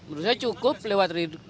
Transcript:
menurut saya cukup lewat radio banyak sih